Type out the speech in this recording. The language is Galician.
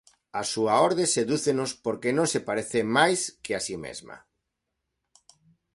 A súa orde sedúcenos porque non se parece máis que a si mesma.